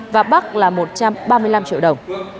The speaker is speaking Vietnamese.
và bắc là một trăm ba mươi năm triệu đồng